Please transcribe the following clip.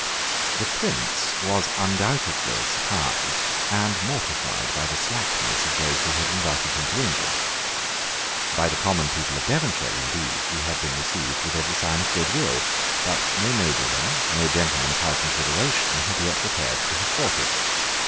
The Prince was undoubtedly surprised and mortified by the slackness of those who had invited him to England. By the common people of Devonshire, indeed, he had been received with every sign of good will: but no nobleman, no gentleman of high consideration, had yet repaired to his quarters.